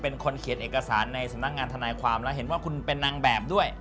เป็นคนเขียนเอกสารในสำนักงานทนายความแล้วเห็นว่าคุณเป็นนางแบบด้วย